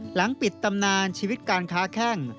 หลังปิดตำนานชีวิตการค้าแข้ง